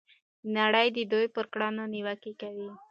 نړۍ د دوی پر کړنو نیوکې کوي.